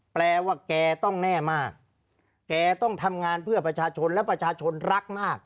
แปลว่าแกต้องแน่มากแกต้องทำงานเพื่อประชาชนและประชาชนรักมาก